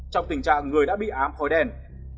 trong tình trạng người đã bị ám khói đèn